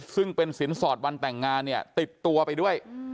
ซึ่งเป็นสินสอดวันแต่งงานเนี่ยติดตัวไปด้วย